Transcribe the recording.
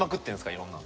いろんなの。